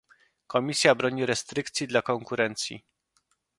Komisja broni restrykcji dla konkurencji